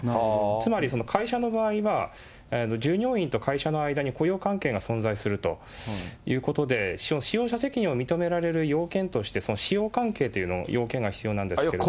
つまり会社の場合は、従業員と会社の間に雇用関係が存在するということで、使用者責任を認められる要件として使用関係という要件が必要なんですけれども。